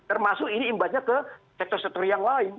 termasuk ini imbasnya ke sektor sektor yang lain